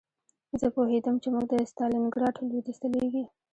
زه پوهېدم چې موږ د ستالینګراډ لویدیځ ته لېږي